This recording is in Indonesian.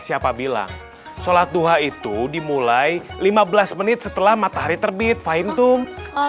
siapa bilang sholat duha itu dimulai lima belas menit setelah matahari terbit pahintung